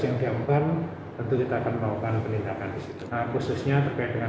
yang dimulai tentu kita akan membawa penindakan berbeda tiro esosnya pakai dengan video yang